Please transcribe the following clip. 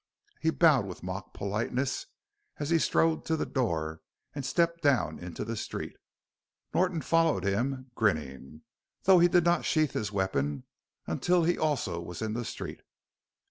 He bowed with mock politeness as he strode to the door and stepped down into the street. Norton followed him, grinning, though he did not sheath his weapon until he also was in the street.